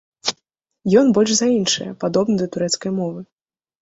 Ён больш за іншыя падобны да турэцкай мовы.